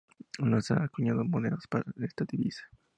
No se han acuñado monedas para esta divisa.